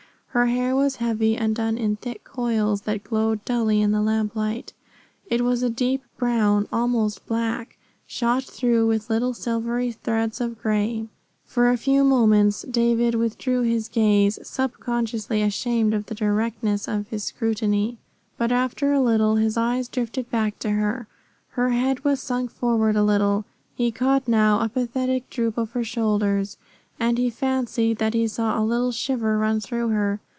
Her hair was heavy and done in thick coils that glowed dully in the lamplight. It was a deep brown, almost black, shot through with little silvery threads of gray. For a few moments David withdrew his gaze, subconsciously ashamed of the directness of his scrutiny. But after a little his eyes drifted back to her. Her head was sunk forward a little, he caught now a pathetic droop of her shoulders, and he fancied that he saw a little shiver run through her.